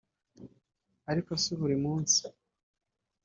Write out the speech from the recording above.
ariko si buri munsi